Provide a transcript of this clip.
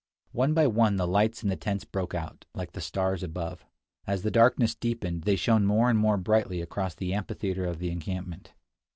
One by one the lights in the tents broke out, like the stars above. As the darkness deepened, they shone more and more brightly across the amphitheater of the encampment.